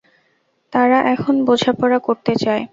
তারা এখন বোঝাপড়া করতে চায়।